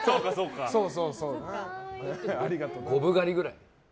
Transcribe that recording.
五分刈りぐらい？